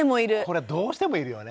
どうしてもいる。